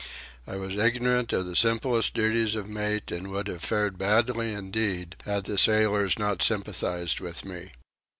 I was ignorant of the simplest duties of mate, and would have fared badly indeed, had the sailors not sympathized with me.